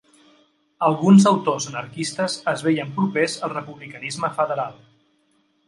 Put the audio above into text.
Alguns autors anarquistes es veien propers al republicanisme federal.